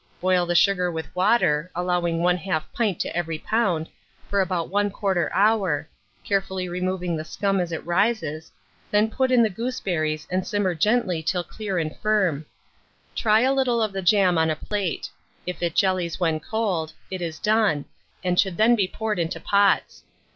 Boil the sugar with water (allowing 1/2 pint to every lb.) for about 1/4 hour, carefully removing the scum as it rises; then put in the gooseberries, and simmer gently till clear and firm: try a little of the jam on a plate; if it jellies when cold, it is done, and should then be poured into pots.